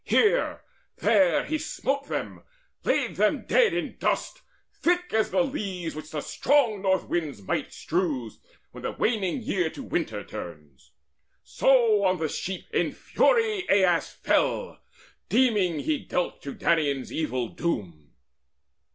Here, there, he smote them, laid them dead in dust Thick as the leaves which the strong North wind's might Strews, when the waning year to winter turns; So on the sheep in fury Aias fell, Deeming he dealt to Danaans evil doom.